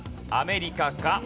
アメリカか？